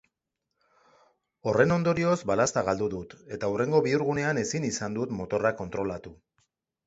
Horren ondorioz balazta galdu dut eta hurrengo bihurgunean ezin izan dut motorra kontrolatu.